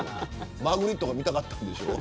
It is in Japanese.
マグリットが見たかったんでしょ。